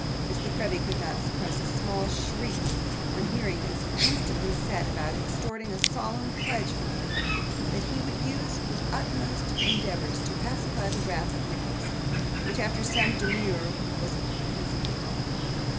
Miss La Creevy could not suppress a small shriek on hearing this, and instantly set about extorting a solemn pledge from Newman that he would use his utmost endeavours to pacify the wrath of Nicholas; which, after some demur, was conceded.